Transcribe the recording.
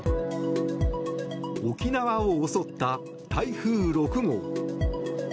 沖縄を襲った台風６号。